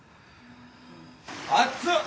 熱っ！